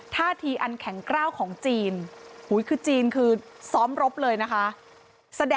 ท่าทีอันแข็งกล้าวของจีนคือจีนคือซ้อมรบเลยนะคะ